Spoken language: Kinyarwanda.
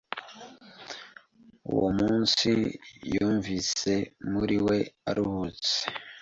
Uwo munsi yumvise muri we aruhutse